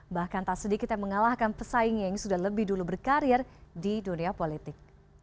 bahkan tak sedikit yang mengalahkan pesaing yang sudah lebih dulu berkarir di dunia politik